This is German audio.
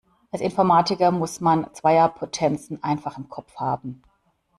Als Informatiker muss man Zweierpotenzen einfach im Kopf haben.